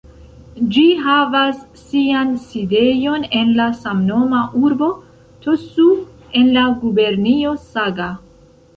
Ĝi havas sian sidejon en la samnoma urbo "Tosu" en la gubernio Saga.